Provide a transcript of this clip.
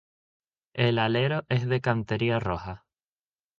El alero es de cantería roja.